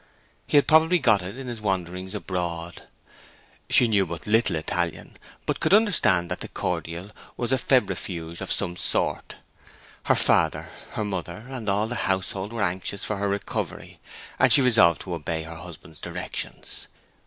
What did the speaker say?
He had probably got it in his wanderings abroad. She knew but little Italian, but could understand that the cordial was a febrifuge of some sort. Her father, her mother, and all the household were anxious for her recovery, and she resolved to obey her husband's directions.